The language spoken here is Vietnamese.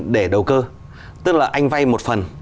để đầu cơ tức là anh vay một phần